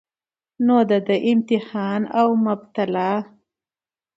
نو د ده امتحان او مبتلاء